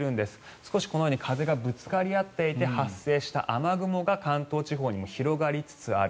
少し風がぶつかり合っていて発生した雨雲が関東地方にも広がりつつある。